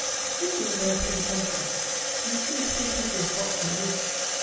This is a very pretty country. You see few prettier spots than this.